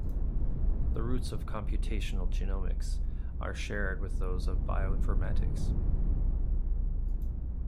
The roots of computational genomics are shared with those of bioinformatics.